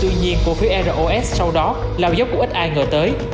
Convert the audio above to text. tuy nhiên cổ phiếu eros sau đó là một dốc của ít ai ngờ tới